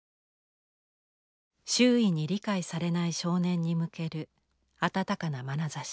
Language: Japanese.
周囲に理解されない少年に向ける温かなまなざし。